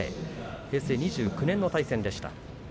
平成２９年の対戦でした。